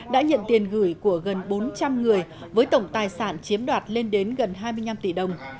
đã nhận tiền gửi của gần bốn trăm linh người với tổng tài sản chiếm đoạt lên đến gần hai mươi năm tỷ đồng